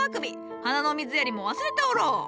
花の水やりも忘れておろう。